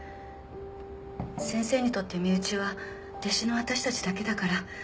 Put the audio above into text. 先生にとって身内は弟子の私たちだけだから。